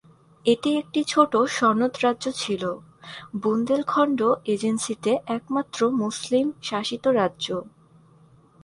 এটি একটি ছোট সনদ রাজ্য ছিল, বুন্দেলখণ্ড এজেন্সিতে একমাত্র মুসলিম- শাসিত রাজ্য।